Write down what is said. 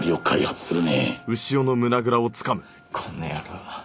この野郎。